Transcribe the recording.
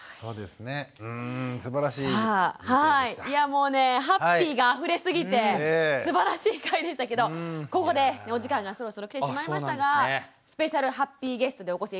いやもうねハッピーがあふれすぎてすばらしい回でしたけどここでお時間がそろそろ来てしまいましたがスペシャルハッピーゲストでお越し頂きました庄司さん